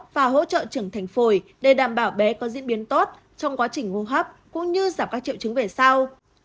và hỗ trợ trưởng thành phổi để đảm bảo bé có diễn biến tốt trong quá trình hô hấp cũng như giảm các triệu chứng về sau